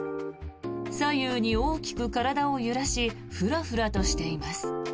左右に大きく体を揺らしフラフラとしています。